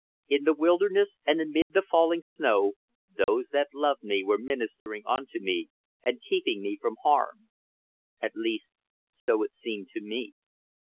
In the wilderness, and amid the falling snow, those that loved me were ministering unto me and keeping me from harm. At least, so it seemed to me.